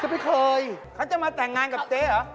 ไม่เคยเขาจะมาแต่งงานกับเจ๊เหรอ